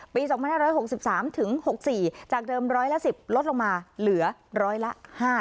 ปีสองพันห้าร้อยหกสิบสามถึงหกสี่จากเดิมร้อยละสิบลดลงมาเหลือร้อยละห้า